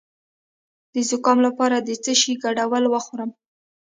د زکام لپاره د څه شي ګډول وخورم؟